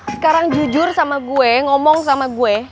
sekarang jujur sama gue ngomong sama gue